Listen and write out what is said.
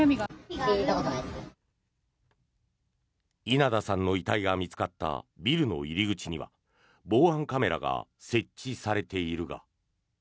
稲田さんの遺体が見つかったビルの入り口には防犯カメラが設置されているが。